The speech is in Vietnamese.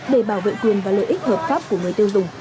để bảo vệ quyền và lợi ích hợp pháp của người tiêu dùng